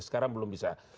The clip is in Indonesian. sekarang belum bisa